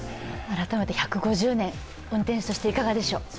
改めて１５０年、運転士としていかがでしょう？